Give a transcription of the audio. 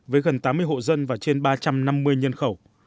với gần tám mươi hộ dân và trên ba trăm năm mươi nhân khẩu